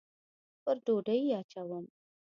پر ډوډۍ یې اچوم